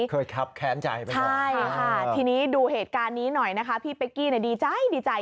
เคยขับแค้นใจไป